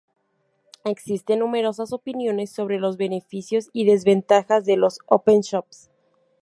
Existen numerosas opiniones sobre los beneficios y desventajas de los "open shops".